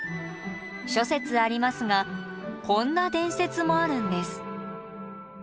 諸説ありますがこんな伝説もあるんです。